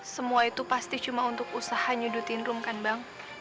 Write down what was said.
semua itu pasti cuma untuk usaha nyudutin room kan bang